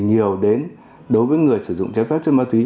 nhiều đến đối với người sử dụng trái phép chất ma túy